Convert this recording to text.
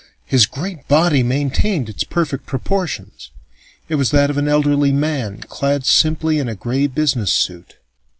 His great body maintained its perfect proportions. It was that of an elderly man clad simply in a gray business suit.